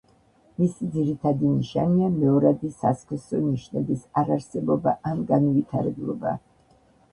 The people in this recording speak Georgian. მისი ძირითადი ნიშანია მეორადი სასქესო ნიშნების არარსებობა ან განუვითარებლობა.